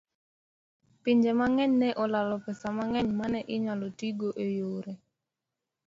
Pinje mang'eny ne olalo pesa mang'eny ma ne inyalo tigo e yore